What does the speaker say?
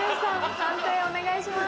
判定お願いします。